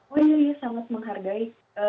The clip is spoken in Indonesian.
oh iya ya sangat menghargai